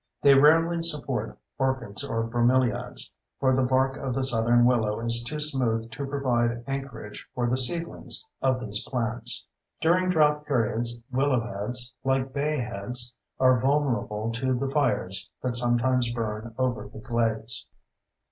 They rarely support orchids or bromeliads, for the bark of the southern willow is too smooth to provide anchorage for the seedlings of these plants. During drought periods willow heads, like bayheads, are vulnerable to the fires that sometimes burn over the glades.